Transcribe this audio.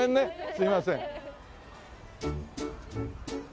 すみません。